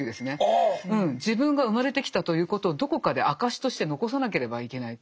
自分が生まれてきたということをどこかで証しとして残さなければいけない。